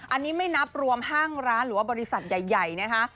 อันนี้ไม่นับรวมห้างร้านหรือว่าบริษัทใหญ่นะคะ